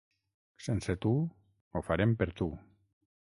Sense tu, ho farem per tu.